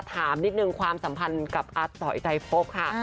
ถามนิดหนึ่งความสัมพันธ์กับอาศตอร์ไอ้ใจโภคค่ะ